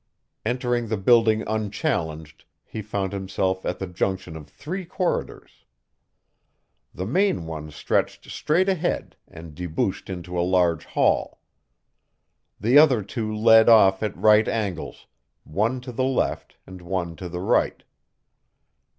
Entering the building unchallenged, he found himself at the junction of three corridors. The main one stretched straight ahead and debouched into a large hall. The other two led off at right angles, one to the left and one to the right.